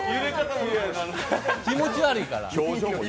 気持ち悪いから！